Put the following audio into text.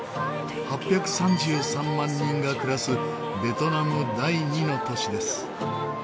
８３３万人が暮らすベトナム第二の都市です。